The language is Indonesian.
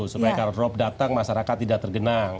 supaya kalau drop datang masyarakat tidak tergenang